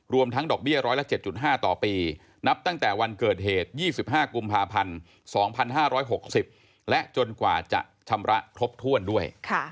ทั้งดอกเบี้ยร้อยละ๗๕ต่อปีนับตั้งแต่วันเกิดเหตุ๒๕กุมภาพันธ์๒๕๖๐และจนกว่าจะชำระครบถ้วนด้วย